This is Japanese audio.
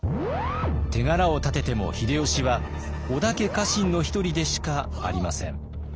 手柄を立てても秀吉は織田家家臣の一人でしかありません。